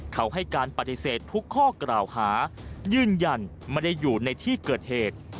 เขาให้การปฏิเสธทุกข้อกล่าวหายืนยันไม่ได้อยู่ในที่เกิดเหตุ